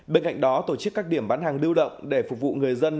bên cạnh đó tổ chức các điểm bán hàng lưu động để phục vụ người dân